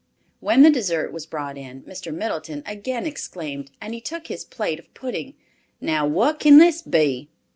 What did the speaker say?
When the dessert was brought in Mr. Middleton again exclaimed, as he took his plate of pudding, "Now what can this be?"